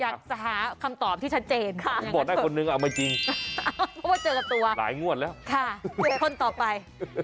อยากจะหาคำตอบที่ชัดเจนค่ะยังบอกได้คนนึงเอาไม่จริงเพราะว่าเจอกับตัวหลายงวดแล้วค่ะเจอคนต่อไป